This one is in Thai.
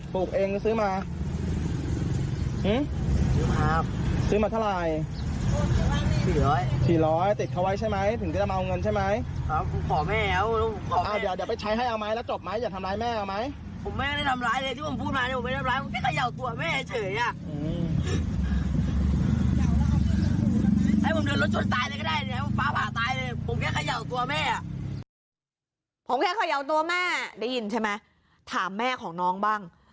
ผมแค่เขย่าตัวแม่ได้ยินใช่ไหมถามแม่ของน้องบ้าง